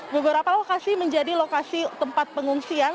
beberapa lokasi menjadi lokasi tempat pengungsian